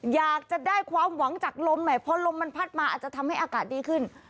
อยากจะได้ความหวังจากลมหน่อยพอลมมันพัดมาอาจจะทำให้อากาศดีขึ้น